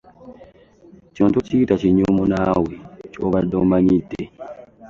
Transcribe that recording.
Kino tokiyita kinyumu naawe ky'obadde omanyidde.